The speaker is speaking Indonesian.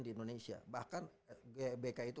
di indonesia bahkan gbk itu